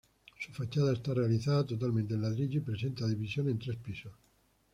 Su fachada está realizada totalmente en ladrillo y presenta división en tres pisos.